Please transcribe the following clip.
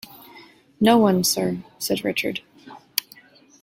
"No one, sir," said Richard.